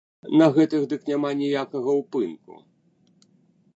На гэтых дык няма ніякага ўпынку!